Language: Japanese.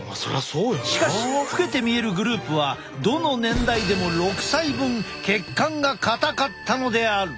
しかし老けて見えるグループはどの年代でも６歳分血管が硬かったのである！